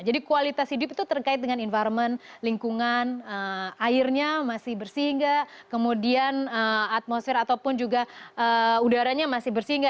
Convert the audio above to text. jadi kualitas hidup itu terkait dengan environment lingkungan airnya masih bersih enggak kemudian atmosfer ataupun juga udaranya masih bersih enggak